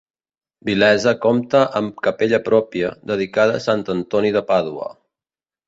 Vilesa compta amb capella pròpia, dedicada a sant Antoni de Pàdua.